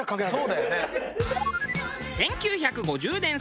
そうだよね。